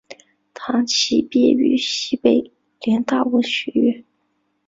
唐祈毕业于西北联大文学院。